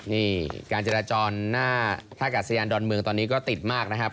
นี่การจราจรหน้าท่ากาศยานดอนเมืองตอนนี้ก็ติดมากนะครับ